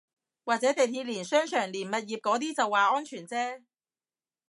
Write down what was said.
或者地鐵連商場連物業嗰啲就話安全啫